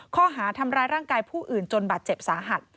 ข้อหาทำร้ายร่างกายผู้อื่นจนบาดเจ็บสาหัส